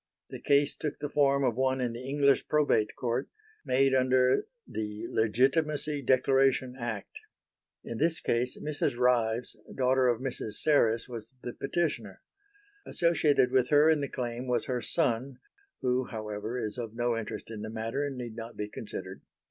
The case took the form of one in the English Probate Court made under the "Legitimacy Declaration Act." In this case, Mrs. Ryves, daughter of Mrs. Serres, was the petitioner. Associated with her in the claim was her son, who, however, is of no interest in the matter and need not be considered.